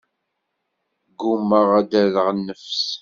Ggumaɣ ad d-rreɣ nnefs.